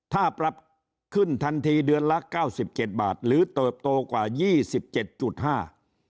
ถ้าปรับขึ้นทันทีเดือนละเก้าสิบเจ็ดบาทหรือเติบโตกว่ายี่สิบเจ็ดจุดห้า